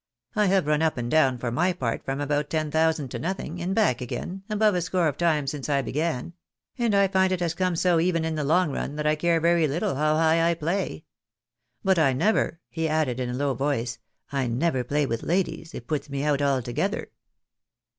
I have run up and down, for my part, from about ten thousand to nothing, and back again, above a score of times since I began ; and I find it has come so even in the long run, that I care very little how high I play. But I never," he added, in a low voice, " I never play with ladies, it puts me out alto gether."